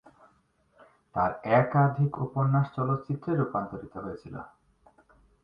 তার একাধিক উপন্যাস চলচ্চিত্রে রূপায়িত হয়েছিল।